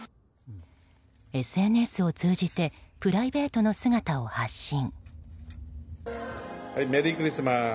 ＳＮＳを通じてプライベートの姿を発信。